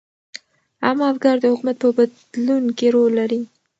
عامه افکار د حکومت په بدلون کې رول لري.